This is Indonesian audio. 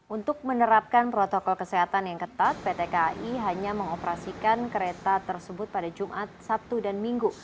untuk menerapkan protokol kesehatan yang ketat pt kai hanya mengoperasikan kereta tersebut pada jumat sabtu dan minggu